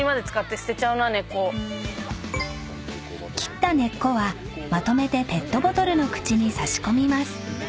［切った根っこはまとめてペットボトルの口に差し込みます］